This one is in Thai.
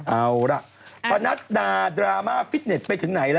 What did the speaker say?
เอาละมาถนาดราม่าฟิตเนสไปถึงไหนล่ะ